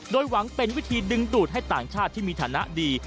โดยหวังเป็นวิธีดึงดูดให้ต่างชาติที่มีฐานะดี